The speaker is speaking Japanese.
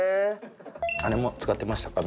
あれも使ってましたか？